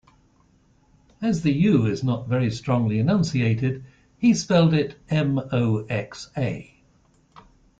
As the u is not very strongly enunciated, he spelled it "Moxa".